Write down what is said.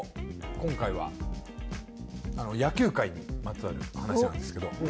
今回は野球界にまつわる話なんですけど。